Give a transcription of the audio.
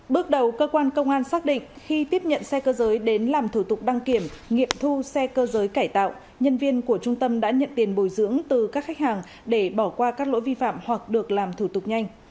bước đầu cơ quan công an xác định khi tiếp nhận xe cơ giới đến làm thủ tục đăng kiểm nghiệm thu xe cơ giới cải tạo nhân viên của trung tâm đã nhận tiền bồi dưỡng từ các khách hàng để bỏ qua các lỗi vi phạm hoặc được làm thủ tục nhanh